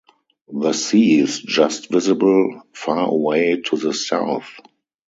The sea is just visible far away to the south.